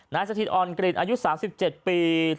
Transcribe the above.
น้านสะทีอ่อนกลิ่นอายุ๓๗ปี